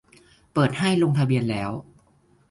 เปิดให้ลงทะเบียนแล้ว